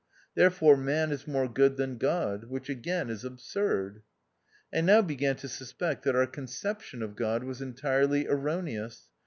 There fore, man is more good than God ; which again is absurd. I now began to suspect that our concep tion of God was entirely erroneous.